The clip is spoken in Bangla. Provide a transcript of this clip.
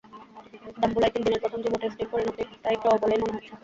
ডাম্বুলায় তিন দিনের প্রথম যুব টেস্টটির পরিণতি তাই ড্র বলেই মনে হচ্ছে।